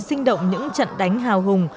sinh động những trận đánh hào hùng